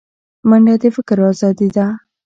منډه د فکر ازادي ده